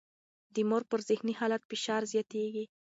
د مور پر ذهني حالت فشار زیاتېږي.